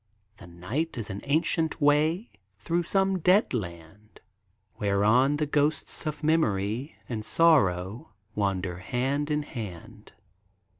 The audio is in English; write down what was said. The night is as an ancient way Through some dead land, Whereon the ghosts of Memory And Sorrow wander hand in hand.